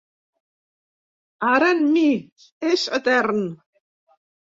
Ara, en mi, és etern.